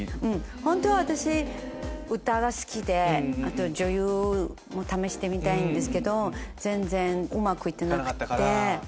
本当は私歌が好きであと女優も試してみたいんですけど全然うまく行ってなくて。